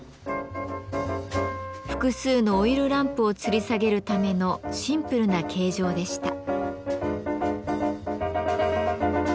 複数のオイルランプをつり下げるためのシンプルな形状でした。